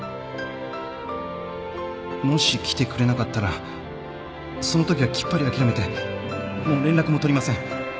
もし来てくれなかったらそのときはきっぱり諦めてもう連絡も取りません